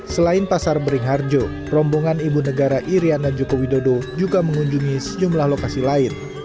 selain pasar beringharjo rombongan ibu negara iryana joko widodo juga mengunjungi sejumlah lokasi lain